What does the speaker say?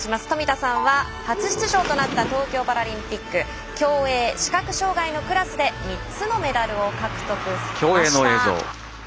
富田さんは初出場となった東京パラリンピック競泳、視覚障がいのクラスで３つのメダルを獲得されました。